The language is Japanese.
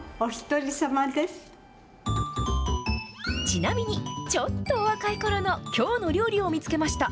ちなみに、ちょっとお若いころのきょうの料理を見つけました。